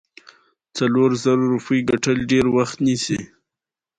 نوي یمه پوښتنه د بن توافقاتو مطالب غواړي.